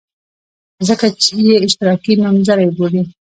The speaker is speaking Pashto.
ځکه یې اشتراکي نومځري بولي.